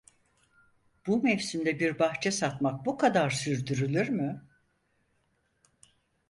Bu mevsimde bir bahçe satmak bu kadar sürdürülür mü?